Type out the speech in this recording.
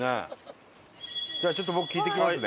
じゃあちょっと僕聞いてきますね。